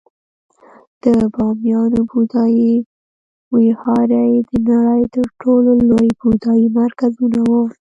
د بامیانو بودایي ویهارې د نړۍ تر ټولو لوی بودایي مرکزونه وو